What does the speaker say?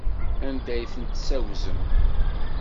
Anda ay ten-tessaggzem?